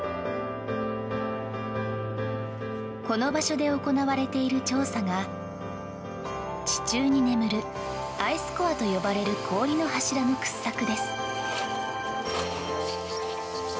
この場所で行われている調査が地中に眠るアイスコアと呼ばれる氷の柱の掘削です。